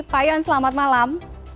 pak yon selamat malam